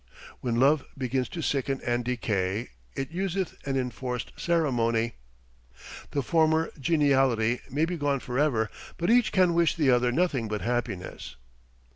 "When love begins to sicken and decay It useth an enforced ceremony." The former geniality may be gone forever, but each can wish the other nothing but happiness.